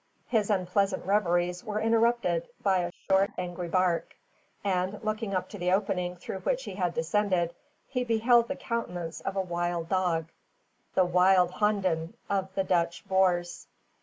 His unpleasant reveries were interrupted by a short, angry bark; and, looking up to the opening through which he had descended, he beheld the countenance of a wild dog, the "wilde honden" of the Dutch Boers.